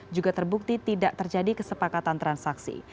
juga terbukti tidak terjadi kesepakatan transaksi